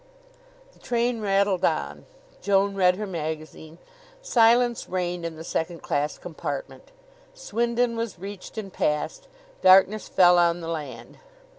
The train rattled on. Joan read her magazine. Silence reigned in the second class compartment. Swindon was reached and passed. Darkness fell on the land.